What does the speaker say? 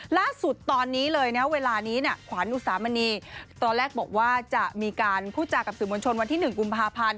ล่าสุดตอนนี้เลยนะเวลานี้ขวานอุสามณีตอนแรกบอกว่าจะมีการพูดจากับสื่อมวลชนวันที่๑กุมภาพันธ์